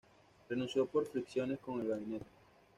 Renunció por fricciones con el gabinete.